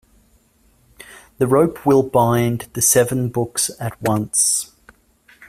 The rope will bind the seven books at once.